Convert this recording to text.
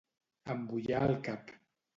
Embullar el cap.